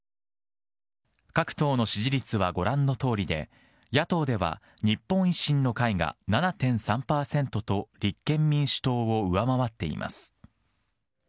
各党の支持率はご覧のとおりで、野党では日本維新の会が７．３％と、立憲民主党を上回っています。